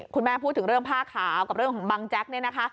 คุณแม่พูดถึงเรื่องผ้าขาวกับเรื่องของบังแจ๊ค